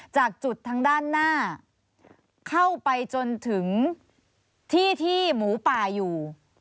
จากจุดทางด้านหน้าเข้าไปจนถึงที่ที่หมูป่าอยู่